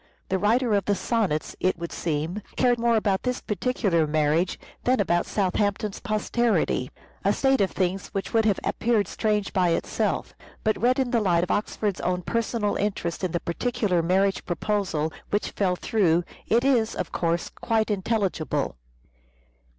The writer of the Sonnets, it would seem, cared more about this particular marriage than about Southampton's posterity : a state of things which would have appeared strange by itself, but read in the light of Oxford's own personal interest in the particular marriage proposal which fell through, it is, of course, quite intelligible.